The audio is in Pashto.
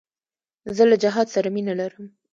زه له جهاد سره مینه لرم.